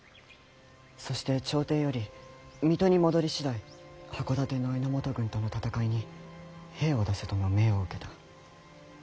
そして朝廷より水戸に戻り次第箱館の榎本軍との戦いに兵を出せとの命を受けた。